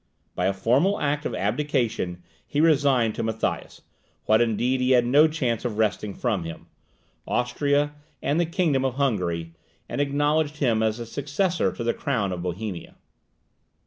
By a formal act of abdication he resigned to Matthias, what indeed he had no chance of wresting from him, Austria and the kingdom of Hungary, and acknowledged him as his successor to the crown of Bohemia.